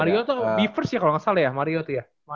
mariota be first ya kalo gak salah ya